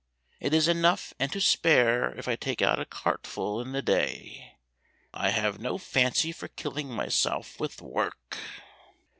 It is enough and to spare if I take out a cartful in the day. I have no fancy for killing myself with work."